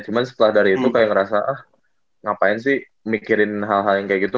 cuman setelah dari itu kayak ngerasa ah ngapain sih mikirin hal hal yang kayak gitu